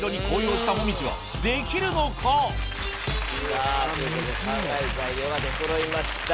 さぁということで考える材料が出そろいました。